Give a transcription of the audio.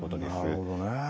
なるほどね。